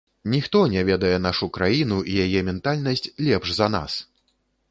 Ніхто не ведае нашу краіну і яе ментальнасць лепш за нас!